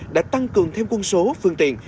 đã tăng cường thêm quân số phương tiện